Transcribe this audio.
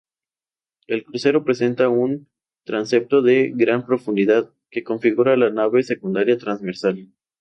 El crucero presenta un transepto de gran profundidad, que configura la nave secundaria transversal.